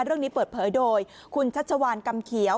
เรื่องนี้เปิดเผยโดยคุณชัชวานกำเขียว